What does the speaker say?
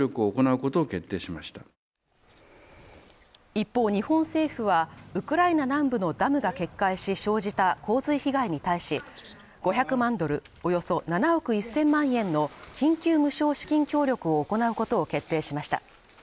一方日本政府はウクライナ南部のダムが決壊し生じた洪水被害に対し５００万ドル、およそ７億１０００万円の緊急無償資金協力を行うことを決定しました。